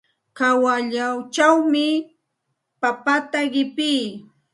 Kawalluchawmi papata qipii.